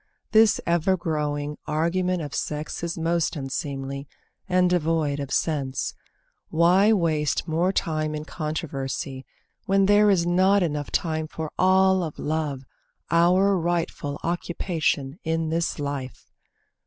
This ever growing argument of sex Is most unseemly, and devoid of sense. Why waste more time in controversy, when There is not time enough for all of love, Our rightful occupation in this life?